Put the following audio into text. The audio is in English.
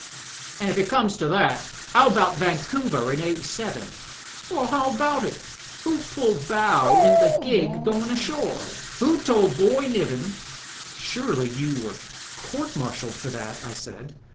"An' if it comes to that how about Vancouver in '87?" "How about it? Who pulled bow in the gig going ashore? Who told Boy Niven ...?" "Surely you were court martialled for that?" I said.